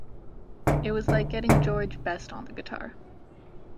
It was like getting George Best on the guitar.